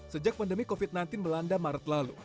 sejak pandemi covid sembilan belas melanda maret lalu